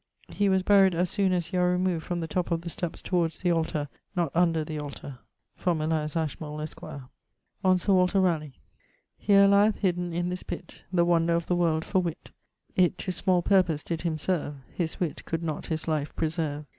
He was buryed as soon as you are removed from the top of the steps towards the altar, not under the altar. from Elias Ashmole, esq. On Sir Walter Rawleigh. Here lieth, hidden in this pitt, The wonder of the world for witt. It to small purpose did him serve; His witt could not his life preserve.